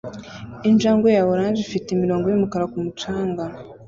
Injangwe ya orange ifite imirongo yumukara ku mucanga